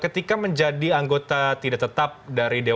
ketika menjadi anggota tidak tetap dari dpp